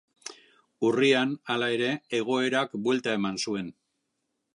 Urrian, hala ere, egoerak buelta eman zuen.